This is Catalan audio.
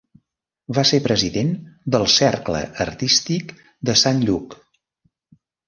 Va ser president del Cercle Artístic de Sant Lluc.